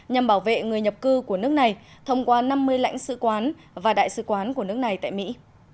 nhằm bảo vệ người nhập cư của nước này thông qua năm mươi lãnh sự quán và đại sứ quán của nước này tại mỹ